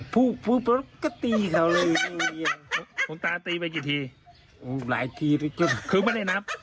พูดพูดปุ๊บก็ตีเขาเลยคุณตาตีไปกี่ทีหลายทีคือไม่ได้นับ